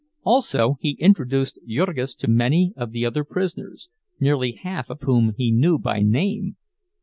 Also he introduced Jurgis to many of the other prisoners, nearly half of whom he knew by name.